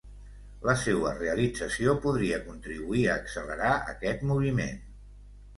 La seua realització podria contribuir a accelerar aquest moviment.